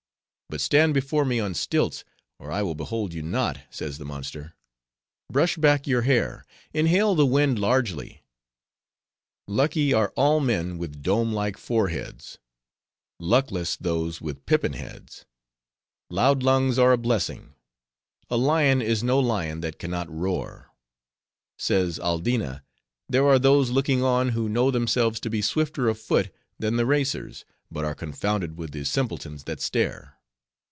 But stand before me on stilts, or I will behold you not, says the monster; brush back your hair; inhale the wind largely; lucky are all men with dome like foreheads; luckless those with pippin heads; loud lungs are a blessing; a lion is no lion that can not roar.' Says Aldina, 'There are those looking on, who know themselves to be swifter of foot than the racers, but are confounded with the simpletons that stare.